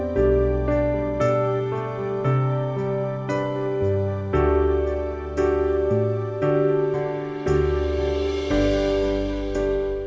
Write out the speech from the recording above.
โปรดติดตามตอนต่อไป